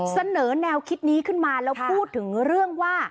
เสนอแนวคิดนี้ขึ้นมาแล้วพูดถึงเรื่องว่า